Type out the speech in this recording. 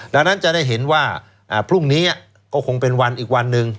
ดังนั้นจะได้เห็นว่าพรุ่งนี้ก็คงเป็นวันอีกวันหนึ่ง